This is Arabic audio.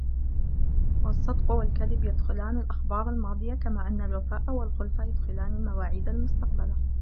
وَالصِّدْقُ وَالْكَذِبُ يَدْخُلَانِ الْأَخْبَارَ الْمَاضِيَةَ ، كَمَا أَنَّ الْوَفَاءَ وَالْخُلْفَ يَدْخُلَانِ الْمَوَاعِيدَ الْمُسْتَقْبَلَةَ